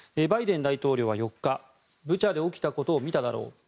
バイデン大統領は４日ブチャで起きたことを見ただろう